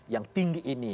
yang tinggi ini